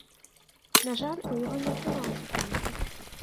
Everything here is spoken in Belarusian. На жаль, у яго не атрымалася прыехаць.